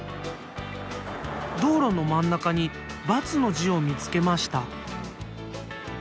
道路の真ん中にバツの字を見つけました。